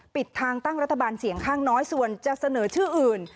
ปิดทางตั้งรัฐบาลเสียงข้างน้อยส่วนจะเสนอชื่ออื่น